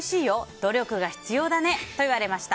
努力が必要だねと言われました。